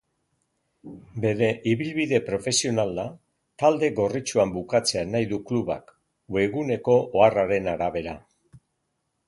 Bere ibilbide profesionala talde gorritxoan bukatzea nahi du klubak, webguneko oharraren arabera.